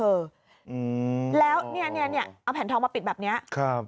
อืมแล้วเนี้ยเนี้ยเนี้ยเนี้ยเอาแผ่นทองมาปิดแบบเนี้ยครับ